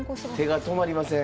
手が止まりません。